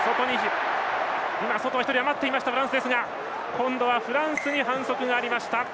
今度はフランスに反則がありました。